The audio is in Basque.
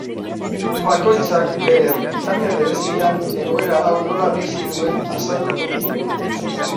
Bakoitzak bere errealitate berezian egoera hau nola bizi duen azalduko du.